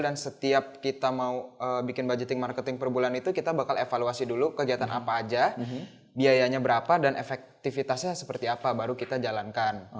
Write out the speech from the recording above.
dan setiap kita mau bikin budgeting marketing per bulan itu kita bakal evaluasi dulu kegiatan apa aja biayanya berapa dan efektivitasnya seperti apa baru kita jalankan